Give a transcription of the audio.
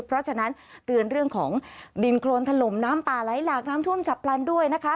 เพราะฉะนั้นเตือนเรื่องของดินโครนถล่มน้ำป่าไหลหลากน้ำท่วมฉับพลันด้วยนะคะ